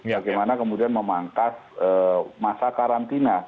bagaimana kemudian memangkas masa karantina